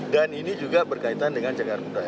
dan ini juga berkaitan dengan cagar budaya